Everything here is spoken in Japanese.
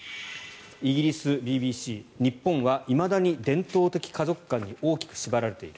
イギリスＢＢＣ日本はいまだに伝統的家族観に大きく縛られている。